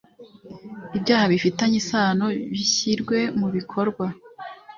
Ibyaha bifitanye isano bishyi rwe mu bikorwa